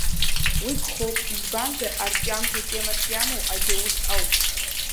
Уи гхоуп, избанзар арҿиамҭа темас иамоу аџьаус ауп.